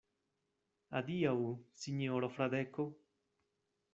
Adiaŭ, sinjoro Fradeko.